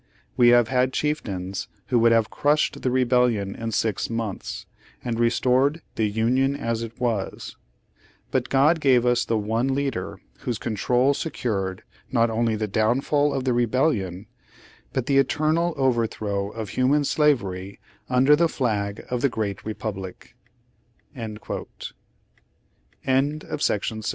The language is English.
We have had chieftains who would have crushed the rebellion in six months, and restored 'the Union as it was;' but God gave us the one leader whose control secured not only the downfall of the Rebellion, but the eternal overthrow of Human Slavery under the flag of the Great R